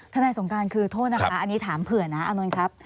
นายสงการคือโทษนะคะอันนี้ถามเผื่อนะอานนท์ครับ